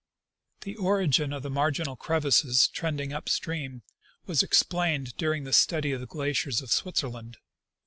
The origin of the marginal crevasses trending up stream was explained during the study of the glaciers of Switzerland.